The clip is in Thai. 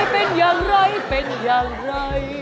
เป็นอย่างไร